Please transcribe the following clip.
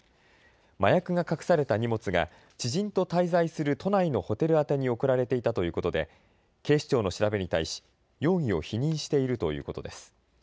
麻薬が隠された荷物が知人と滞在する都内のホテル宛に送られていたということで警視庁の調べに対し容疑を否認しているということです。